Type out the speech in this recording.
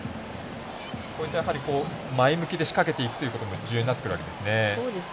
こういった前向きで仕掛けていくというところが重要になっていくわけですね。